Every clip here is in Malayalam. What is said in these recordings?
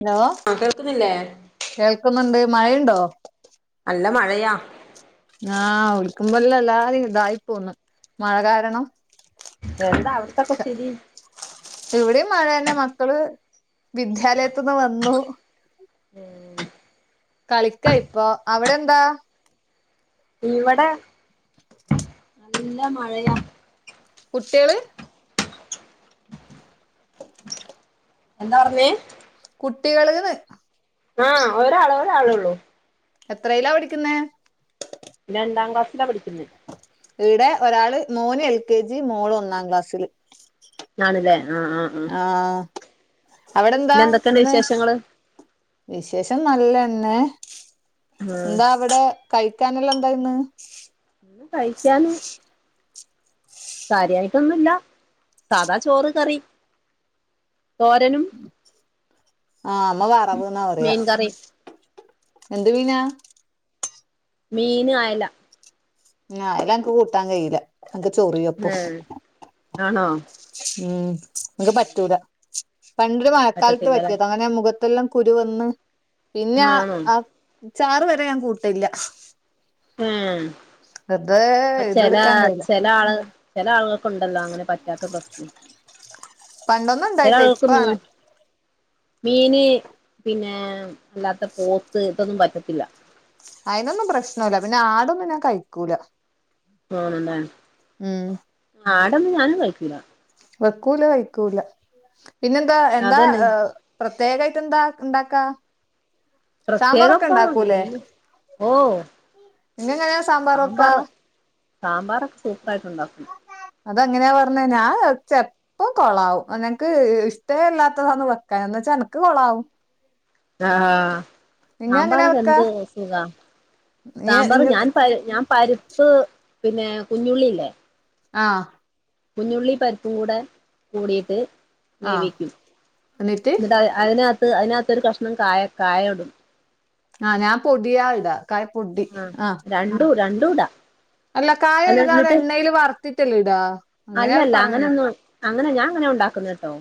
ഹലോ ആഹ് കേൾക്കുന്നില്ലേ കേൾക്കുന്നുണ്ട് മഴയുണ്ടോ നല്ല മഴയാ ആാ ഒൽക്കുമ്പല്ലാം എല്ലാരും ഇതായി പോന്ന്. മഴ കാരണം എന്താ അവിടത്തൊക്കെ സ്ഥിതി ഇവിടെയും മഴ തന്നെ, മക്കള് വിദ്യാലയത്തുന്ന് വന്നു ഉം കളിക്ക ഇപ്പൊ അവിടെ എന്താ ഇവിടെ നല്ല മഴയാ കുട്ടികള് എന്താ പറഞ്ഞേ കുട്ടികള് ന്ന് ആഹ് ഒരാള് ഒരാളെ ഉള്ളൂ എത്രയിലാ പഠിക്കുന്നെ രണ്ടാം ക്ലാസിലാ പഠിക്കുന്നേ ഇവിടെ ഒരാള്, മോന് എൽ കെ ജി, മോള് ഒന്നാം ക്ലാസ്സിൽ ആണല്ലേ ആഹ് ആഹ് ആഹ് അവിടെന്താ പിന്നെ എന്തൊക്കെണ്ട് ഇന്ന് വിശേഷങ്ങള് വിശേഷം നല്ലതന്നെ ആഹ് എന്താ അവിടെ കഴിക്കാനല്ലാം എന്താ ഇന്ന് ഇന്ന് കഴിക്കാൻ കാര്യമായിട്ടൊന്നുംല്ല സാധാ ചോറ് കറി തോരനും ആഹ അമ്മ വറാവ്ന്നാ പറയാ മീൻ കറിയും എന്ത് മീനാ മീന് ആയല ആ അയല എനിക്ക് കൂട്ടാൻ കഴിയൂല്ല എനിക്ക് ചൊറിയുഅപ്പം ഏഹ് ആണോ ഉം എനക്ക് പറ്റൂല പണ്ട് മഴക്കാലത്ത് പറ്റത്തില്ലല്ലേ പറ്റിതഅങ്ങനെ മുഖ അതല്ലാം കുരുവന്ന് പിന്നെ ആ ആണോ അച്ചാറ് വരെ ഞാൻകൂട്ടില്ല ങഹ് അതെ ഇതെടുക്കാൻ കഴില്ലാ ചിലാള് ചിലആള് ഉണ്ടല്ലോ അങ്ങനെ പറ്റാത്ത പ്രശ്നം പണ്ടൊന്നും ഉണ്ടായിട്ടേ ചെലാൾക്ക് ഇപ്പാണ് മീൻ മീന് പിന്നെ അല്ലാത്ത പോത്ത് ഇതൊന്നും പറ്റത്തില്ല അതിനൊന്നും പ്രശ്നല്ല പിന്നെ ആടൊന്നും ഞാൻകഴിക്കൂല ആണല്ലേ ഉം ആടന്നും ഞാനുംകഴിക്കൂല്ല വെക്കൂല കയ്ക്കൂല പിന്നെന്താ എന്താ അതന്നെ പ്രത്യേകയിട്ട് എന്താ ഇണ്ടാക്കാ സാമ്പാറൊക്കെ പ്രത്യേകംപ്പം ഇണ്ടാക്കൂലേ ഓ നിങ്ങക്കങ്ങന [unintelligible] സാമ്പാറ് സാമ്പാറൊക്കെ സൂപ്പറായിട്ട് ഉണ്ടാക്കും അതങ്ങനെയാ പറഞ്ഞെ ഞാ ഇപ്പൊ കൊളാവും അന്നക്ക് ഇഷ്ടേ ല്ലാത്തതാന്ന് വെക്കാ എന്ന് വെച്ചാ എനക്ക് കൊളാവും ധാ നിങ്ങ എങ്ങനെയാ വെക്കാ സാമ്പാറൊക്കെഎന്ത് സുഖാ നീ സാമ്പാറ് ഞാൻ പ ഞാൻ പരിപ്പ് പിന്നെ കുഞ്ഞുള്ളില്ലേ ആഹ് കുഞ്ഞുള്ളി പരിപ്പുംക്കൂടെ കൂടിയിട്ട് ആഹ് വേവിക്കും എന്നിട്ട് അതിനാത്ത് അതിനാത്തൊരു കഷ്ണം കായ കായാംഇടും ആഹ് ഞാൻ പുതിയ ആൾട ആഹ് രണ്ടു രണ്ടൂടാ അല്ല കായെകഴ്കാതെ എണ്ണയില് വറത്തിട്ടല്ലേ ഇടാ അങ്ങനെയ അവര് അല്ലല്ല പറഞ്ഞത് അങ്ങനൊന്നും അങ്ങനെ ഞാൻ അങ്ങനെ ഉണ്ടാക്കുന്നെ കേട്ടോ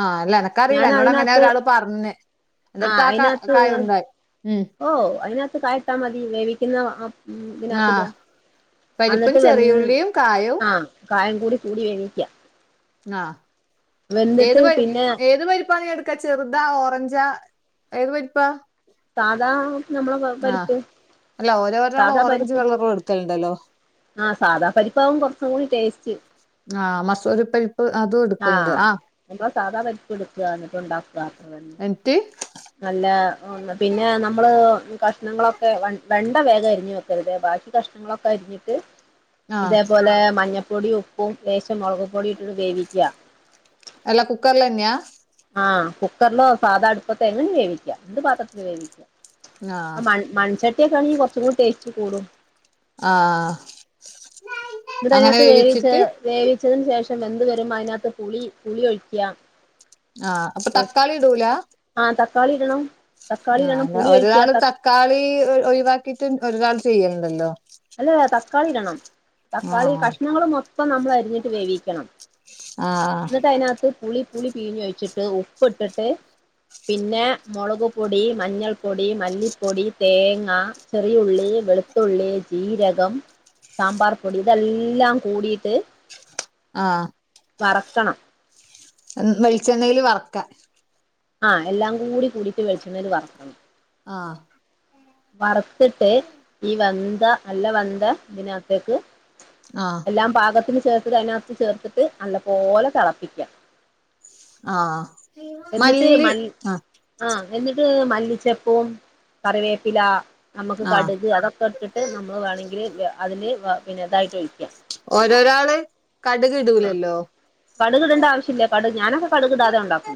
ആഹ് അല്ല എനക്കറിയില്ല ഞാൻ എന്നോട് അങ്ങനെ അതിനകത്ത് ഒരാള് പറഞ്ഞെ എന്റെഅടുത്ത് ആ ക കായ ഉണ്ടായി ഉം ഓ അതിനകത്ത് ക ഇട്ടാമതി വേവിക്കുന്ന ആ ആ ഇതിനകത്ത്ല്ല പരിപ്പും അന്നട്ട് വെന്ത് ചെറിയുള്ളിയും കായവും ആ കായം കൂടി കൂടി വേവിക്ക ആഹ് വെന്തിട്ട് ഏത്പ പിന്നെ ഏത് പരിപ്പ നി എട് ക്കെ ചെറുതാ ഓറഞ്ചാ ഏത് പരിപ്പ സാധാ നമ്മളെ പ പരിപ്പ് അല്ല ഓരോ ഒരാള് ഓറഞ്ച് കളറ് വെളുത്തയിണ്ടല്ലോ ആഹ് സാദാ പരിപ്പാവും കൊറചൂടി ടേസ്റ്റ് ആഹ് മസൂരിപരി ആഹ് അപ്പോ സാധാ പരിപ്പ്‌ എടുക്കുക എന്നിട്ട് ഉണ്ടാക്കുക അത്ര തന്നെ ട്ട് [unintelligible] നല്ല പിന്നെ നമ്മള് കഷ്ണങ്ങളൊക്കെ വെ വെണ്ട വേഗംഅരിഞ്ഞ് വെക്കരുത് ബാക്കി കഷ് മ്മക്ക് അരിഞ്ഞിട്ട് ആ ഇതേപോലെ മഞ്ഞപ്പൊടിയും ഉപ്പും ലേശം മുളക് പൊടിഇട്ട് ഒന്ന് വേവിക്ക എല്ല കുക്കറില് തന്നെയാ ആഹ കുക്കറിലോ സാധാ അടുപ്പത്തെ എങ്ങനെ വേവിക്ക എന്ത് പാത്രത്തില് വേവിക്ക ആ മൺ മൺചട്ടിയൊക്കെ ആണെങ്കി കൊർച്ചും കൂടി ടേസ്റ്റ് കൂടും ആഹ് എന്നിട്ട് അതിനാത്ത് വേവിച്ച് വേവിച്ചതിനന് ശേഷം വെന്ത് വരുമ്പോ അതിനകത്ത് പുളി പുളിഒഴിക്കാ ആഹ് അപ്പൊ തക്കാളി ഇടൂലാ ആ തക്കാളി ഇടണം തക്കാളി ഇടണം പുളി ഒഴിക്കാ ക്കാളി ഒഴിവാക്കിട്ട് ഒരുനാൾ ചെയ്യണ്ടല്ലോ അല്ലെ തക്കാളി ഇടണം തക്കാളി ആഹ് കഷ്ണങ്ങള് മൊത്തം നമ്മളരിഞ്ഞിട്ട് വേവിക്കണം ആഹ് ആഹ് എന്നിട്ട് അതിനകത്ത് പുളി പുളി പീഞ്ഞൊഴിച്ചിട്ട് ഉപ്പ് ഇട്ടിട്ട് പിന്നെ മുളക് പൊടി മഞ്ഞൾപ്പൊടി മല്ലിപ്പൊടി തേങ്ങ ചെറിയഉള്ളി വെളുത്തുള്ളി ജീരകം സാമ്പാർ പൊടി ഇതെല്ലാം കൂടിട്ട് ആഹ് വെളിച്ചെണ്ണെയില് വറക്കാ ആഹ് എല്ലാം കൂടി കൂടിട്ട് വെളിച്ചണ്ണയില് വറക്കണം ആഹ് വറത്തിട്ട് ഈ വെന്ത നല്ല വന്ത ഇതിനകത്തേക്ക് ആഹ് എല്ലാം പാകത്തിന് ചേർത്ത്ട്ട് അതിനകത്ത് ചേർത്തിട്ട് നല്ലപോലെ തളപ്പിക്കാ ആഹ് എന്നിട്ട് മല്ലി ആഹ് എന്നിട്ട് മല്ലിച്ചപ്പും കറിവേപ്പിലാ നമുക്ക് ആഹ് കടുക് അതൊക്കെ ഇട്ടിട്ട് നമ്മള് വേണമങ്കില് അതില് പിന്നെ ഇതായിട്ട് ഒഴിക്കാ ഓരോരാള് കടക് ഇടൂലല്ലോ കടുകിടേണ്ട ആവശ്യല്ലെ കട് ഞാനൊക്കെ കടുക് ഇടാതെ ഉണ്ടാക്കും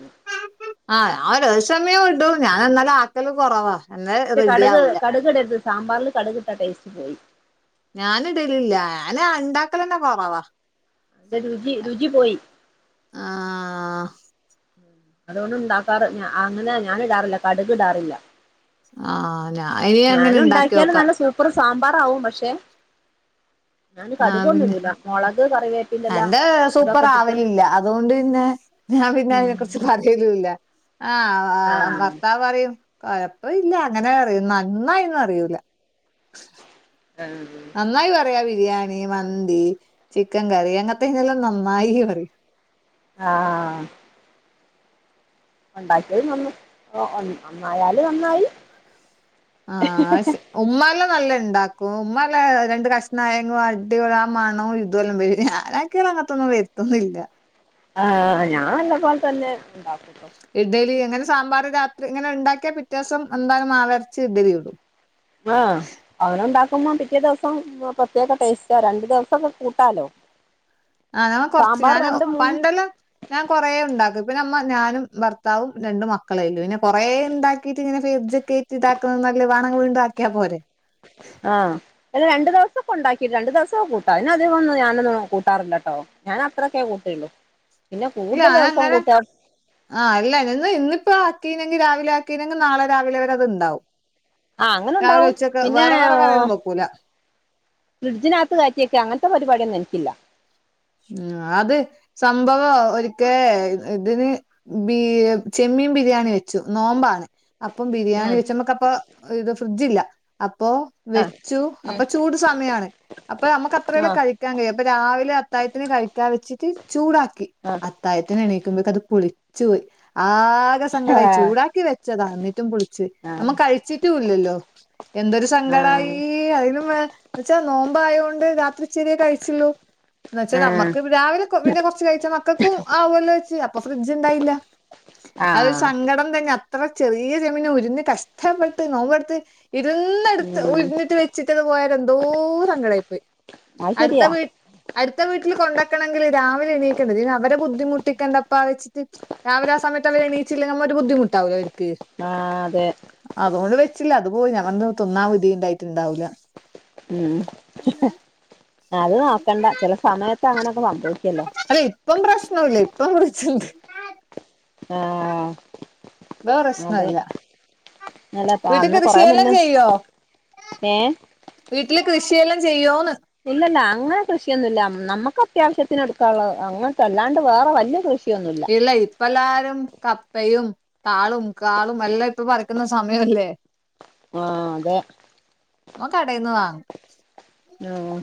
ആഹ് ഞാൻ ചെല സമയം ഇടും ഞാൻ എന്നാലും ആക്കല് കൊറവാ എന്നാ പക്ഷേ റെഡി കടക് ആവൂല കടുക്ടര്ത് സാമ്പാർല് കടക് ട്ടാ ടേസ്റ്റ് പോയി ഞാനിടലില്ല ഞാന്ണ്ടാക്കലന്നെ കൊറവാ [unintelligible] രുചി രുചി പോയി ആഹ് അതുകൊണ്ട് ഉണ്ടാക്കാറ് ഞാ അങ്ങനെ ഞാനിടാറില്ല കടുക് ഇടാറില്ല ആഹ് ഞാ ഇനി അങ്ങനെ ഉണ്ടാക്കി നോക്കാ അപ്പരുസാമ്പാറാവും പക്ഷേ ആഹ് പിന്നെ ഇടൂല മുളക് കറിവേപ്പിന്റെല എന്റെ അതൊക്കെ ഇട്ടിട്ട് സൂപ്പറാവലില്ലാ അതുകൊണ്ട് പിന്നെ ഞാൻ പിന്നെ ഉം അതിനെ കുറിച്ച് പറയലൂല്ല ആഹ് ഭർത്താവ് പറയും കൊഴപ്പ ഇല്ല അങ്ങനെ അറിയും നന്നായിന്നും അറിയൂല ആഹ് നന്നായി പറയാ ബിരിയാണി മന്തി ചിക്കൻ കറി അങ്ങൻത്തെെനെല്ലാം നന്നായി പറിം ആഹ് ഉണ്ടാക്കിയത് നന്ന് നന്നായാല് നന്നായി ആഹ് ആഹ്ശ ഉമ്മാന് നല്ല ഉണ്ടാക്കും ഉമ്മാനല്ല രണ്ട് കഷ്ണായങ്ങും അടിപൊളി ആ മണോ ഇതവെല്ലാം വരിം ഞാനാ ക്ക് പിന്നെ അങ്ങൻത്തൊന്നും വര്ത്തുന്നില്ല ആഹ് ഞാനന്നെപോൽതന്നേ ഉണ്ടാക്കട്ടോ ഇഡലി അങ്ങനെ സാമ്പാർ രാത്രി ഇങ്ങനെ ഉണ്ടാക്കിയ പിറ്റേ ദിവസം എന്തായാലും മാവര്ച്ച് ഇഡലി ചുടും ആഹ് അങ്ങന ഉണ്ടാക്കുമ്പോ പിറ്റേ ദിവസം പ്രത്യേക ടേസ്റ്റാ രണ്ടു ദിവസംക്കെ കൂട്ടാലോ ആഹ് ഞമ്മ കൊർച്ച് സാമ്പാർ ഞാന രണ്ട് മൂന്ന് പണ്ടെല്ലാം ഞാൻ കൊറേ ഉണ്ടാക്കും ഇപ്പെ നമ്മ ഞാനും ഭർത്താവും രണ്ട് മക്കളേല്ലു പിന്നെ കൊറേണ്ടാക്കിട്ട് ഇങ്ങനെ ഫ്രിഡ്ജികേ റ്റി താക്ക്ന്ന നല്ലത് വാണങ്കി ണ്ടക്കിയാ പോരെ ആഹ് അല്ല രണ്ട് ദിവസൊക്കെ ഉണ്ടാക്കിയിട്ട് രണ്ട് ദിവസം കൂട്ടാ അതി ഒന്നും ഞാനൊന്നും കൂട്ടാറില്ലോട്ടോ ഞാൻ അത്രൊക്ക കുട്ടല്ലോ യ്യ ഞാനങ്ങനെ ആഹ് അല്ലന്ന് ഇന്നിപ്പോ ആക്കീനെങ്കി രാവിലെ ആക്കീനെങ്കിൽ നാളെ രാവിലെ വരെ അത് ഉണ്ടാവും ആഹ് അങ്ങനെ ഉണ്ടാവും പിന്നെ വേറെ കറിയൊന്നും വെക്കൂല ഫ്രിഡ്ജ്ന് അകത്ത് കായറ്റിവെക്കാ അങ്ങനത്തെ പരിപാടി ഒന്നും എനിക്കില്ല ഉ അത് സംഭവം ഒരിക്കേ ഇതിന് ബീ ചെമ്മീൻ ബിരിയാണി വെച്ചു നോമ്പ ആണ് അപ്പം ബിരിയാണി ഉം വെച്ചമ്മക്ക അപ്പൊ ഇത് ഫ്രിഡ്ജ് ഇില്ല അപ്പൊ ആ വെച്ചു അപ്പൊ ഉം ചൂട് സമയാണ് അപ്പൊ നമുക്ക് അത്രയല്ല ആ കഴിക്കാൻ കഴിയും അപ്പൊ രാവിലെ അത്തായത്തിന് കഴിക്കാൻ വെച്ചിട്ട് ചൂടാക്കി ആ അത്തായത്തിന് എണീക്കുമ്പോക്കും അത് പുളിച്ചു പോയി ആകെ സങ്കടമായി ആ ചൂടാക്കി വെച്ചതാ എന്നിട്ടും പുളിച്ച് പോയി നമ്മൾ കഴിച്ചിട്ടും ഇല്ലല്ലോ എന്തൊരു ആ സങ്കടമായി അതിനും എന്നെച്ചാ നോമ്പ് ആയൊണ്ട് രാത്രി ഇച്ചിരിയെ കഴിച്ചോളള് എന്ന ആ വെച്ചാൽ നമ്മുക്ക് ആ രാവിലെ പിന്നെ കുറച്ചച്ച് കഴിച്ചാൽ മക്കൾക്കും ആവല്ലോ വെച്ച് അപ്പൊ ഫ്രിഡ്ജ് ഉണ്ടായില്ല ആ അതൊരു സങ്കടം തന്നെ അത്ര ചെറിയ ചെമീൻ ഉരുഞ്ഞ് കഷ്ടപ്പെട്ട് നോമ്പെടുത്ത് ഇരുന്നടുത്ത് ഉം ഉരുന്നിട്ട് വെച്ചിട്ടന്ന് പോയൽ എന്തോ സങ്കടമായി പോയി അത് ശരിയാ അടുത്ത വീട്ടിൽ കൊണ്ടക്കണമെങ്കില് രാവിലെ എണീക്കേണ്ടേ ഇത് അവരെ ബുദ്ധിമുട്ടികണ്ടപ്പാ വെച്ചിട്ട് രാവില ആഹ് സമത്ത് അവ എണീച്ചില്ലെങ്ക നമ്മ ഒരു ബദ്ധിമുട്ടാവ ആഹ് അതെ അതുകൊണ്ട് വെച്ചില്ല അത് പോയി ഞൻ തിന്നാൻ വിധി ഉണ്ടായിട്ട് ഉണ്ടാവില്ല ഉം അത് നോക്കണ്ട ചില സമയത്ത് അങ്ങനൊക്കെ സംഭവിക്കല്ലോ അല്ലേ ഇപ്പം പ്രശ്നല്ല ഇപ്പം ഫ്രിഡ്ജ് ഇണ്ട് ആഹ് ഇപ്പൊ അതെ പ്രശ്നമില്ല അല്ല വീട്ടിൽ അന്ന് കൊറെ കൃഷിയെല്ലാം മുന്നേ ചെയ്യോ ഏഹ് വീട്ടില് കൃഷിയെല്ലാം ചെയ്യോന്ന് ഇല്ല ഇല്ല അങ്ങനെ കൃഷിയൊന്നും ഇല്ല നമുക്ക് അത്യാവശ്യത്തിന് എടുക്കാനുള്ളത് അങ്ങനത്തെ അല്ലാണ്ട് വേറെ വലിയ കൃഷിയൊന്നും ഇല്ല അല്ല ഇപ്പ എല്ലാരും കപ്പയും താളും കാളും എല്ലാം ഇപ്പൊ പറിക്കുന്ന സമയമല്ലേ ആഹ് അതെ ഞൻ കടയിന്ന് വാങ്ങും ആഹ്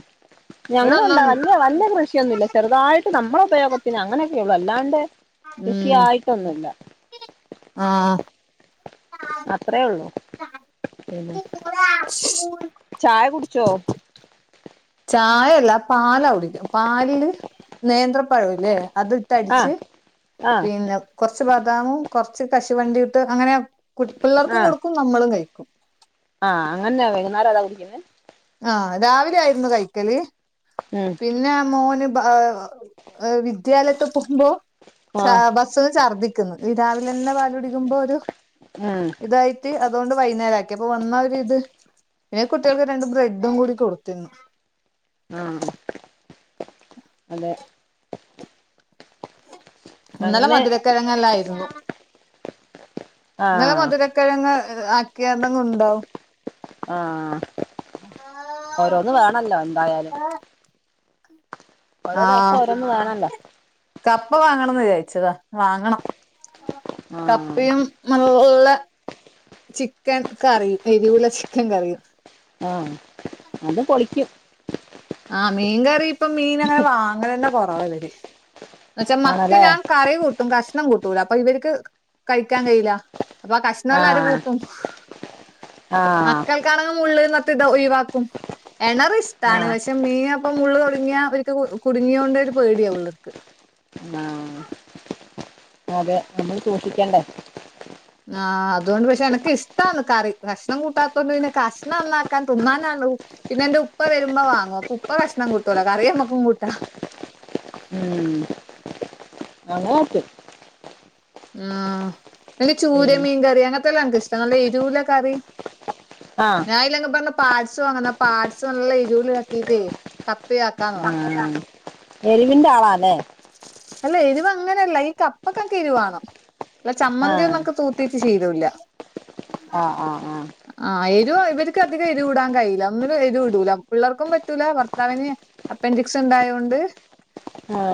ഇവിടെ ഞങ്ങടാ ഇണ്ട ഒന്നും വല്ല വല്ല ഫ്ര ഒന്നുമില്ല ചെറുതായിട്ട് നമ്മളുടെ ഉപയോഗത്തിന് അങ്ങനെയൊക്കെ ഉള്ളു അല്ലാണ്ട് ഉം കൃഷിയായിട്ടൊന്നുല്ല ആഹ് അത്രയേ ഉള്ളു പിന്നെ ചായ കുടിച്ചോ ചായയല്ല പാലാ കുടിക പാലില് നേന്ത്രപ്പഴല്ലേ അത് ഇട്ട് അടിച്ച് ആഹ് ആഹ് പിന്നെ കുറച്ച് ബദാമും കൊറച്ച് കശുവണ്ടി ഇട്ട് അങ്ങനെ കുട്ടി പിള്ളേർക്കും ആഹ് കൊടുക്കും നമ്മളും കഴിക്കും ആഹ് അങ്ങനെയാ വൈകുന്നേരം അതാ കുടിക്കുന്നേ ആഹ് രാവിലെ ആയിരുന്നു കൈക്കല് ഉം പിന്നെ മോന് വിദ്യാലയത്ത് പോകുമ്പോ ആഹ് ബസി ഛർദ്ദിക്കുന്നു ഈ രാവിലെ തന്ന പാൽ കുടിക്കുമ്പോൾ ഒരു ആഹ് ഇതായിട്ട് അതുകൊണ്ട് വൈകുന്നേരം ആക്കി അപ്പൊ വന്ന ഒരി ഇത് പിന്നെ കുട്ടികൾക്ക് രണ്ട് ബ്രെഡും കൂടി കൊടുത്തിരുന്നു ആഹ് അതെ ഇന്നലെ അങ്ങനെ മധുരക്കിഴങ്ങല്ലായിരുന്നു ഇന്നലെ ആഹ് മധുര കിഴങ് ആക്കിയിരുന്നു ഉണ്ടാവും ആഹ് ഓരോന്ന് വേണല്ലോ എന്തായാലും ഓരോ ദിവസം ആഹ് ഓരോന്നും വേണല്ലോ കപ്പ വാങ്ങണംന്ന് വിചാരിച്ചതാ വാങ്ങണം ആഹ് കപ്പയും നല്ല ചിക്കൻ കറിയും എരിവുള്ള ചിക്കൻ കറിയും ആഹ് അത് പൊളിക്കും ആഹ് മീൻ കറിപ്പ മീൻങ്ങനെ വാങ്ങലന്ന കുറവാവര് വെച്ചാ ആണല്ലേ മത്തിനാൻ കറി കൂട്ടും കഷ്ണം കൂട്ടൂല അപ്പൊ വർക്ക് കഴിക്കാൻ കയൂല്ല അപ്പൊ കഷണന്നാര് ആഹ് കൂട്ടും ആഹ് മക്കൾ [unintelligible] ള്ള് ഇത് ഒഴിവാക്കും എണറിഷ്ടാണ് ആഹ് പക്ഷേ മീനപ്പം മുള്ള് തുടുങ്ങിയ അവർക്ക് കുടുങ്ങിയോണ്ടരു പേടിയാ ഉള്ള്ക്ക് ആഹ് അതെ നമ്മൾ സൂക്ഷിക്കണ്ടേ ആ അതുകൊണ്ട് പക്ഷെനക്ക് ഇഷ്ടാന്ന് കറി കഷ്ണം കൂട്ടാത്തൊണ്ട് പിന്നെ കഷ്ണം നന്നാക്കാൻ തിന്നാനാണ് പിന്നെന്റെ ഉപ്പ വരുമ്പോ വാങ്ങും ഉപ്പ കഷണം കൂട്ടൂലാ കറിയമ്മക്കും കൂട്ടാ ഉം അങ്ങനെക്ക ആഹ് ലെ പിന്നെ ചൂരമീൻകറി അങ്ങനത്തെല്ലാം എൻക്ക്ഷ്ടാ നല്ല എരൂള കറി ആഹ് ഞാ ഇല്ലെ പറഞ്ഞ പാട്സ് വാങ്ങുന്ന പാട്സ് നല്ല ഇ ജൂലിളക്കീട്ടേ കപ്പി ആഹ് ആഹ് എരിവിന്റെ ആളാല്ലേ അല്ല എരിവ്ങ്ങനെയല്ല ഈ കപ്പക്കെക്കെ എരിവാണം അല്ല ആ ചമ്മന്തി ഒന്നൊക്കെ തൂ [unintelligible] ചെയ്തൂല്ലാ ആഹ് ആഹ് ആഹ് ആഹ് എരിവ ഇവർക്കധികം എരിവി ടാൻ കഴയില്ല ഒന്നും എരിവ്ടൂല പിള്ളർക്കും പറ്റൂല ഭർത്താവിന് അപ്പൻഡിക്സ്ണ്ടായതോണ്ട്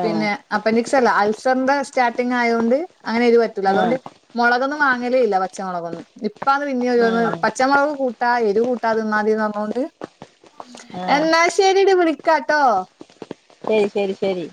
പിന്നെ അപ്പെൻഡിക്സ്ല്ല്ലാ അൾസറിന്റെ സ്റ്റാർട്ടിങ്ങായോണ്ട് അങ്ങനെ എരു പറ്റൂല ആ അതോണ്ട് മുളകൊന്നും വാങ്ങലേല്ല പച്ചമുളകൊന്നും ഇപ്പത് പിന്നെരോന്ന് ആ പച്ചമുളക് കൂട്ടാ എരി കൂട്ടാ തിന്നാൽറഞ്ഞുകൊണ്ട് ആ എന്നാ ശരിടി വിളിക്കാട്ടോ ശരി ശരി ശരി